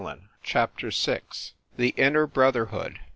E 2 CHAPTER VI. THE INNER BROTHERHOOD.